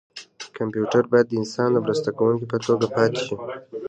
کمپیوټر باید د انسان د مرسته کوونکي په توګه پاتې شي.